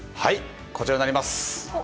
こちらになります。